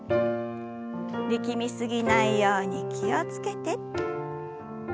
力み過ぎないように気を付けて。